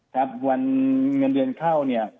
ครับวันเงินเดือนเข้าเนี่ย